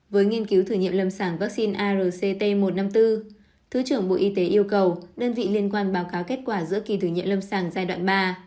với nghiên cứu thử nghiệm lâm sàng vaccine arct một trăm năm mươi bốn thứ trưởng bộ y tế yêu cầu đơn vị liên quan báo cáo kết quả giữa kỳ thử nghiệm lâm sàng giai đoạn ba